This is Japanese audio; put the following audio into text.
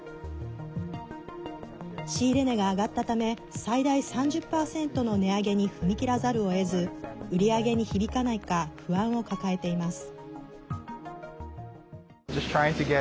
仕入れ値が上がったため最大３０％の値上げに踏み切らざるをえず売り上げに響かないか不安を抱えています。